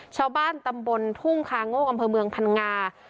ชาวบ้านตำบลทุ่งคาโงกอำเภอเมืองพังงา